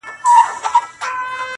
حقيقت د دود للاندي پټيږي تل-